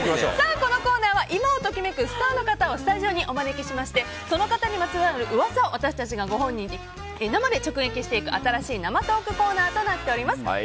このコーナーは今を時めくスターの方をスタジオにお招きしましてその方にまつわる噂を我々がご本人に生で直撃していく新しい生トークコーナーとなっています。